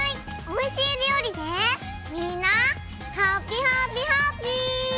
おいしいりょうりでみんなハピハピハッピー！